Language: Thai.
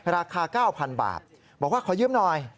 ราคา๙๐๐บาทบอกว่าขอยืมหน่อย